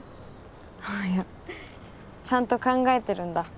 あいやちゃんと考えてるんだ。